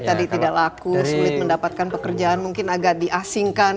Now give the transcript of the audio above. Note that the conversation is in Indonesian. tadi tidak laku sulit mendapatkan pekerjaan mungkin agak diasingkan